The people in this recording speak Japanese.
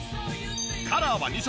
カラーは２色。